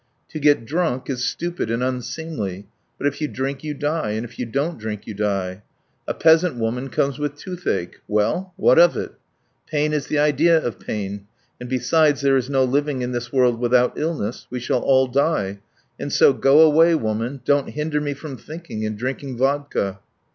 To get drunk is stupid and unseemly, but if you drink you die, and if you don't drink you die. A peasant woman comes with toothache ... well, what of it? Pain is the idea of pain, and besides 'there is no living in this world without illness; we shall all die, and so, go away, woman, don't hinder me from thinking and drinking vodka.'